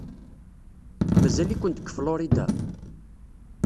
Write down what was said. Mazal-ikent deg Florida?